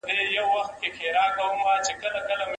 ته به د شخصیت جوړونې لپاره کتابونه لولې.